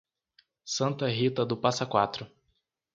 Santa Rita do Passa Quatro